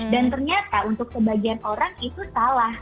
dan ternyata untuk sebagian orang itu salah